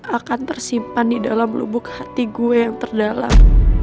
akan tersimpan di dalam lubuk hati gue yang terdalam